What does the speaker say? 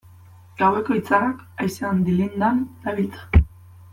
Gaueko itzalak haizean dilindan dabiltza.